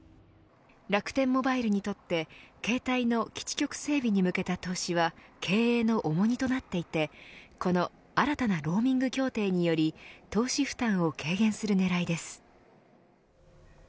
楽天モバイルにとって携帯の基地局整備に向けた投資は経営の重荷となっていてこの新たなローミング協定により投資負担を軽減する狙いです。